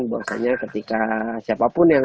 bahwasanya ketika siapapun yang